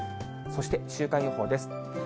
そして週間予報です。